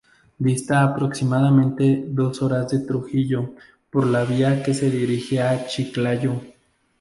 Dista aproximadamente dos horas de Trujillo por la vía que se dirige a Chiclayo.